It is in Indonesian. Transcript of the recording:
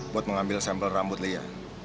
buat mengambil sampel rambut lia